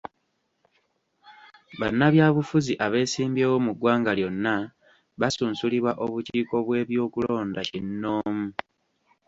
Bannabyabufuzi abeesimbyewo mu ggwanga lyonna basunsulibwa obukiiko bw'ebyokulonda kinnoomu.